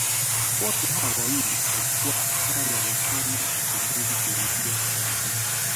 Wote hao wawili walikuwa askari waliofanya mapinduzi kuingia madarakani